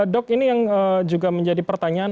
dok ini yang juga menjadi pertanyaan